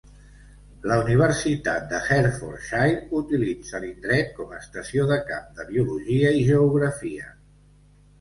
La Universitat de Hertfordshire utilitza l'indret com a estació de camp de biologia i geografia.